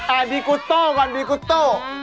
อ่านดีกุโต้ก่อนดีกุโต้